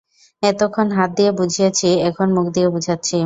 এতোক্ষণ হাত দিয়ে বুঝিয়েছি, এখন মুখ দিয়ে বুঝাচ্ছি।